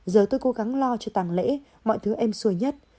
giờ tôi cố gắng lo cho tăng lễ mọi thứ êm xuôi nhất